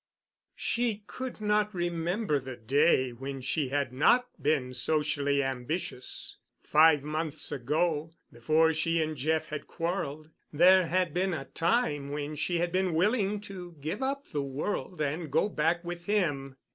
She could not remember the day when she had not been socially ambitious. Five months ago, before she and Jeff had quarreled, there had been a time when she had been willing to give up the world and go back with him.